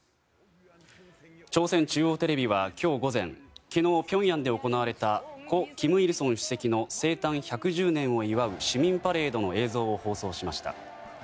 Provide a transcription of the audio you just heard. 朝鮮中央テレビは今日午前昨日、ピョンヤンで行われた故・金日成主席の生誕１１０年を祝う市民パレードの映像を放送しました。